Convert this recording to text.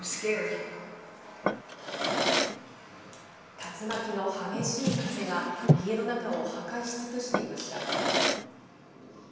竜巻の激しい風が、家の中を破壊し尽くしていました。